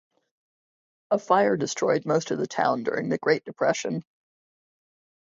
A fire destroyed most of the town during the Great Depression.